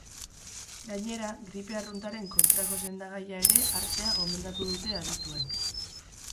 Gainera, gripe arruntaren kontrako sendagaia ere hartzea gomendatu dute adituek.